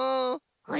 あれ！？